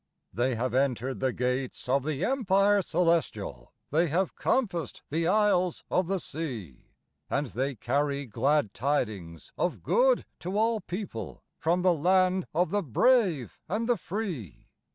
They have entered the gates of the Empire Celestial, They have compassed the Isles of the Sea, And they carry glad tidings of good to all people, From the land of the brave and the free.